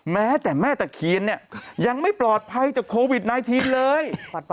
แม้แต่แม่ตะเคียนเนี่ยยังไม่ปลอดภัยจากโควิด๑๙เลย